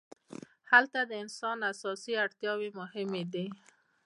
هلته د انسان اساسي اړتیاوې مهمې دي.